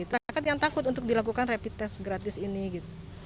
masyarakat yang takut untuk dilakukan rapid test gratis ini